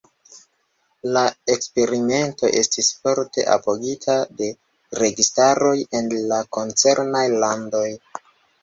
La eksperimento estis forte apogita de registaroj en la koncernaj landoj.